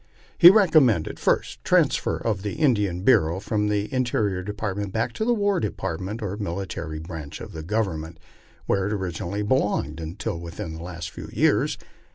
He recom mended: "First, the transfer of the Indian Bureau from the Interior Depart ment back to the War Department, or military branch of the Government, where it originally belonged, until within the last few years.